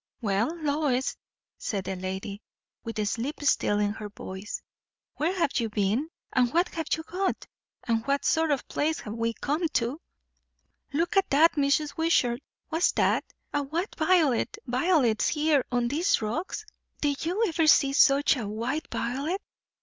"Well, Lois" said the lady, with the sleep still in her voice, "where have you been? and what have you got? and what sort of a place have we come to?" "Look at that, Mrs. Wishart!" "What's that? A white violet! Violets here, on these rocks?" "Did you ever see such a white violet?